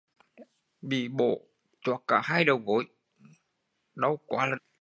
Bị bổ choác cả hai đầu gúi, đau quá là đau